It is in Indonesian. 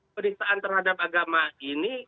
perisaan terhadap agama ini